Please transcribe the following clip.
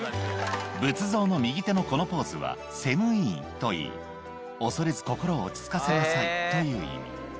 仏像の右手のこのポーズは、施無畏印といい、恐れず心を落ち着かせなさいという意味。